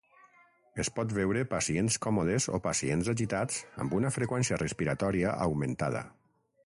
Es pot veure pacients còmodes o pacients agitats amb una freqüència respiratòria augmentada.